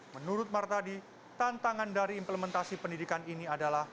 menurut martadi tantangan dari implementasi pendidikan ini adalah